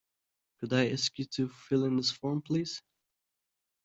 Could I ask you to fill in this form, please?